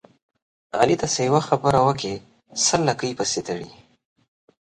علي ته چې یوه خبره وکړې سل لکۍ پسې تړي.